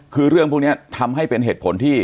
คือเรื่องพวกนี้ทำให้เป็นเหตุผลที่